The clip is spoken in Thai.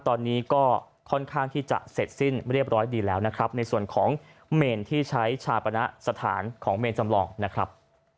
ตอนนี้ก็ค่อนข้างที่จะเสร็จสิ้นเรียบร้อยดีแล้วนะครับในส่วนของเมนที่ใช้ชาปณะสถานของเมนจำลองนะครับ